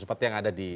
seperti yang ada di